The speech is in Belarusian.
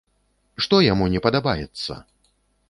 Што яму не падабаецца?